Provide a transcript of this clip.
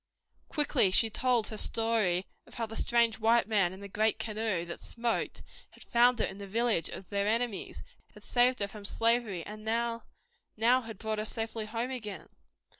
Quickly she told her story of how the strange white man in the great canoe that smoked had found her in the village of their enemies, had saved her from slavery, and now, had brought her safely home again.